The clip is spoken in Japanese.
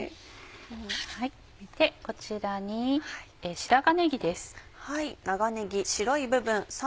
こちらに白髪ねぎです。